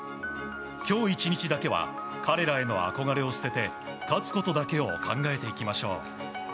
今日１日だけは彼らへの憧れを捨てて勝つことだけを考えていきましょう。